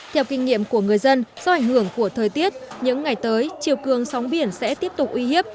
theo kinh nghiệm của người dân do ảnh hưởng của thời tiết những ngày tới chiều cường sóng biển sẽ tiếp tục uy hiếp